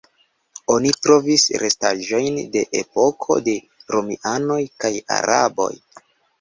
Oni trovis restaĵojn de epoko de romianoj kaj araboj.